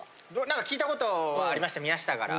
何か聞いたことありました宮下から。